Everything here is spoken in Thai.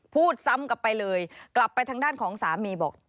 พูดซ้ำกลับไปเลยกลับไปทางด้านของสามีบอก